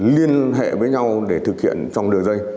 liên hệ với nhau để thực hiện trong đường dây